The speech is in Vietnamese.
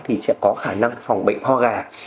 thì sẽ có khả năng phòng bệnh hoa gà